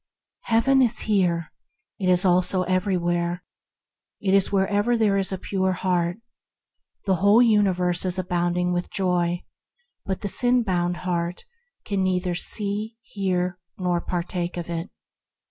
Heaven is here. It is also everywhere. It is wherever there is a pure heart. The whole universe is abounding with joy, but HEAVEN IN THE HEART 155 the sin bound heart can neither see, hear, nor partake of it.